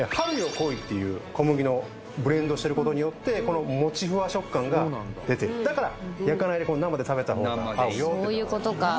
恋っていう小麦をブレンドしてることによってこのもちふわ食感が出てだから焼かないで生で食べたほうが合うよってそういうことかああ